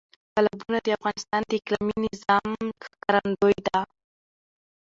تالابونه د افغانستان د اقلیمي نظام ښکارندوی ده.